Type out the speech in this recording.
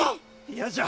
嫌じゃ。